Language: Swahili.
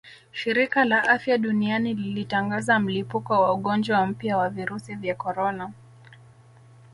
Shirika la Afya Duniani lilitangaza mlipuko wa ugonjwa mpya wa virusi vya korona